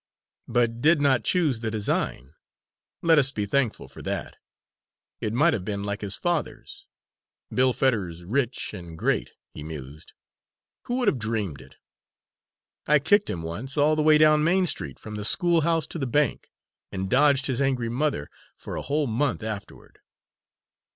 "But did not choose the design; let us be thankful for that. It might have been like his father's. Bill Fetters rich and great," he mused, "who would have dreamed it? I kicked him once, all the way down Main Street from the schoolhouse to the bank and dodged his angry mother for a whole month afterward!"